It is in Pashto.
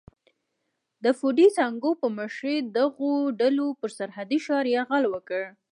د فوډي سانکو په مشرۍ دغو ډلو پر سرحدي ښار یرغل وکړ.